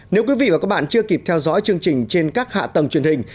nếu quý vị và các bạn chưa kịp theo dõi chương trình trên các hạ tầng truyền hình